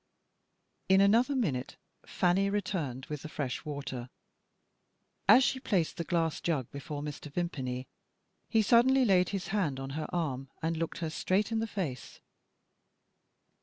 In another minute Fanny returned with the fresh water. As she placed the glass jug before Mr. Vimpany he suddenly laid his hand on her arm and looked her straight in the face.